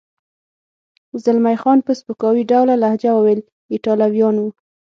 زلمی خان په سپکاوي ډوله لهجه وویل: ایټالویان و.